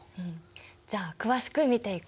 じゃあ詳しく見ていこう。